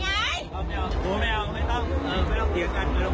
ทำไมไม่เป็นไรหรอก